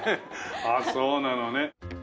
ああそうなのね。